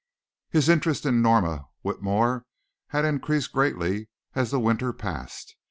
His interest in Norma Whitmore had increased greatly as the winter passed.